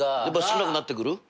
やっぱ少なくなってくる？